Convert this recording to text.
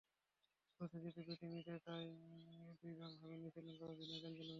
টসে জিতে ব্যাটিং নিতে তাই দুই বার ভাবেননি শ্রীলঙ্কার অধিনায়ক অ্যাঞ্জেলো ম্যাথুস।